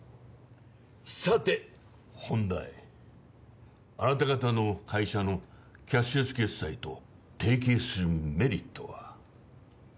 さて本題あなた方の会社のキャッシュレス決済と提携するメリットは？